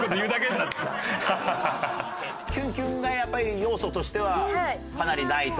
キュンキュンがやっぱり要素としてはかなりないと。